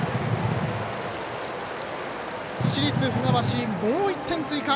市立船橋、もう１点追加！